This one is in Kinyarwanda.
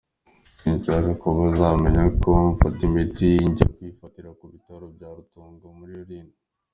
Sinshaka ko bazamenya ko mfata imiti; njya kuyifatira ku bitaro bya Rutongo, muri Rurindo.